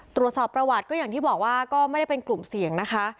ตรวจสอบประวัติก็อย่างที่บอกว่าก็ไม่ได้เป็นกลุ่มเสี่ยงนะคะ